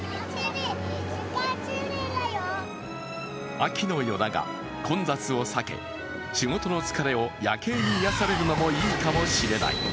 秋の夜長、混雑を避け、仕事の疲れを夜景に癒やされるのもいいかもしれない。